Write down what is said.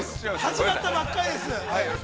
◆始まったばかりです。